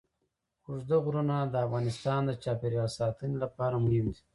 اوږده غرونه د افغانستان د چاپیریال ساتنې لپاره مهم دي.